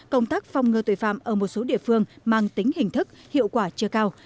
công tác phòng ngừa tội phạm ở một số địa phương mang tính hình thức hiệu quả chưa cao